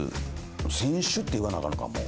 選手って言わなあかんのかもう。